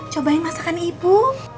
cobain masakan ibu